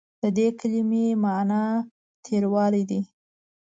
د دې کلمې معني تریوالی دی.